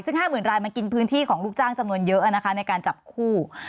ซึ่ง๕๐๐๐รายมันกินพื้นที่ของลูกจ้างจำนวนเยอะนะคะในการจับคู่